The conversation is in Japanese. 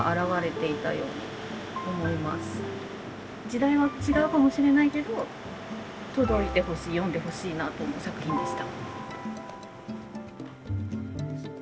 時代は違うかもしれないけど届いてほしい読んでほしいなと思う作品でした。